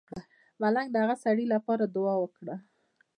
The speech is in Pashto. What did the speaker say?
ملنګ د هغه سړی لپاره دعا وکړه.